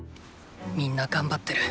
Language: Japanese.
みんな頑張ってる。